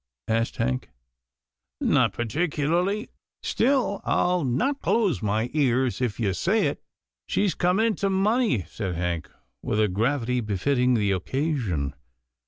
asked Hank. " Not particularly, still I'll not close my ears if you say it." " She's come into money," said Hank with a gravity befitting the occasion.